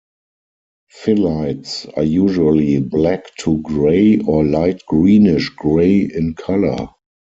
Phyllites are usually black to gray or light greenish gray in color.